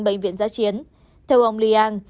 bệnh viện giá chiến theo ông liang